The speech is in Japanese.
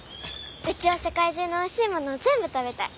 うちは世界中のおいしいものを全部食べたい。